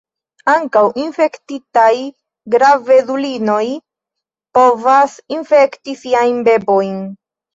Ankaŭ infektitaj gravedulinoj povas infekti siajn bebojn.